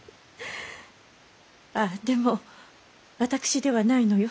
あぁでも私ではないのよ。